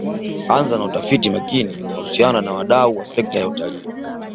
Anza na utafiti makini unaohusiana na wadau wa sekta ya utalii